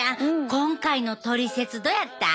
今回のトリセツどやった？